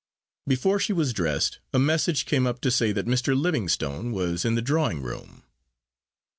Before she was dressed, a message came up to say that Mr. Livingstone was in the drawing room.